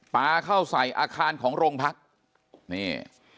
ปลาเข้าใส่อาคารของโรงพักนี่